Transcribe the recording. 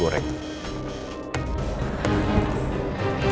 lo denger ya imel